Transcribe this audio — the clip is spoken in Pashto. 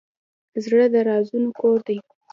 زړه د رازونو کور دی.